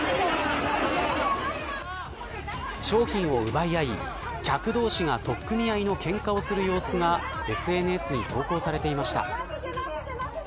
商品を奪い合い客同士が取っ組み合いのけんかをする様子がＳＮＳに投稿されていました。